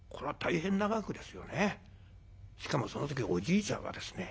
しかもその時おじいちゃんはですね